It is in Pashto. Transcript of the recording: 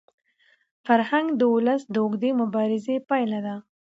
فرهنګ د ولس د اوږدې مبارزې پایله ده.